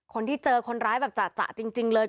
คนที่เจอคนร้ายแบบจะจริงเลย